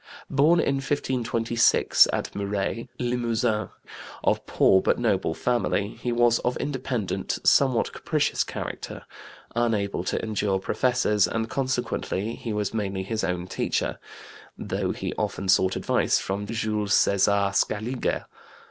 Born in 1526 at Muret (Limousin), of poor but noble family, he was of independent, somewhat capricious character, unable to endure professors, and consequently he was mainly his own teacher, though he often sought advice from Jules César Scaliger.